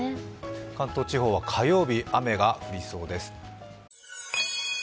関東地方は火曜日、雨が降りそうです。